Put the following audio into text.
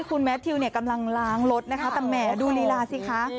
คุณแมททิวเนี่ยกำลังล้างรถนะคะแต่แหมดูลีลาสิคะ